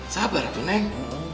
sabar tuh neng